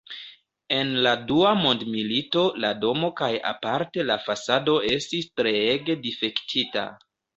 En la Dua Mondmilito la domo kaj aparte la fasado estis treege difektita.